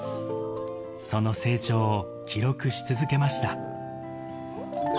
その成長を記録し続けました。